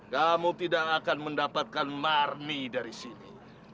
kamu tidak akan mendapatkan marmi dari sini